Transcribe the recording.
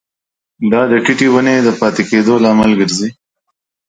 دا د ټیټې ونې د پاتې کیدو لامل ګرځي.